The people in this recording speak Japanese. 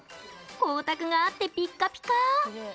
光沢があってピッカピカ！